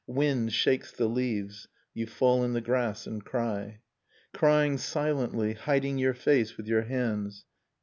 Wind shakes the leaves, you fall in the grass and cry ; Crying silently, hiding your face with your hands.